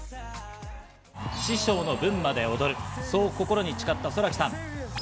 師匠の分まで踊る、そう心に誓ったＳｏｒａＫｉさん。